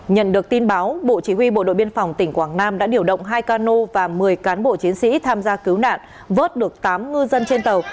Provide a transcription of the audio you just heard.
nhận được tin báo bộ chỉ huy bộ đội biên phòng tỉnh quảng nam đã điều động hai cano và một mươi cán bộ chiến sĩ tham gia cứu nạn vớt được tám ngư dân trên tàu